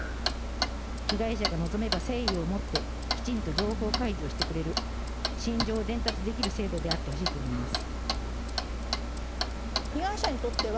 被害者が望めば誠意を持って情報開示してくれる心情を伝達できる制度であってほしいと思います。